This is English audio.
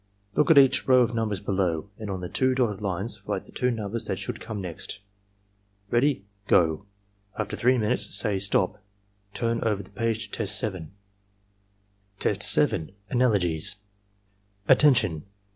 "Look at each row of numbers below, and on the two dotted lines write the two numbers that should come next. — ^Ready — Go!" After 3 minutes, say "STOP! Turn over the page to Test 7." Test 7. — ^Analogies "Attention!